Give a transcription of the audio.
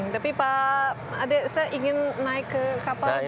tapi pak saya ingin naik ke kapal john lee ini